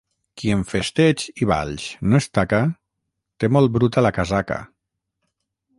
Qui en festeigs i balls no es taca, té molt bruta la casaca.